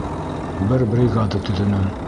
Бер бригада төҙөнөм.